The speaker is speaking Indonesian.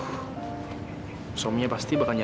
aku bilang itu udah kena udah sumpah aja